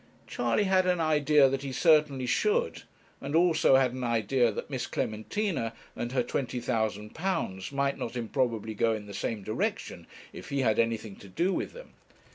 Charley had an idea that he certainly should; and also had an idea that Miss Clementina and her £20,000 might not improbably go in the same direction, if he had anything to do with them.